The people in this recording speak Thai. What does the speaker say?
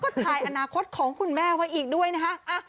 ก็ถ่ายอนาคตของคุณแม่ไว้อีกด้วยนะคะ